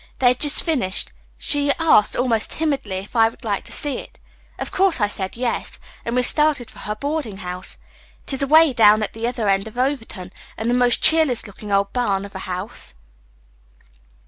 They had just finished. She asked, almost timidly, if I would like to see it. Of course I said 'Yes,' and we started for her boarding house. It is away down at the other end of Overton, and the most cheerless looking old barn of a house.